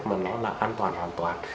mà nó là an toàn hoàn toàn